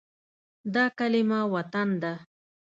دا کلمه “وطن” ده.